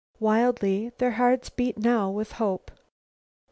Wildly their hearts beat now with hope.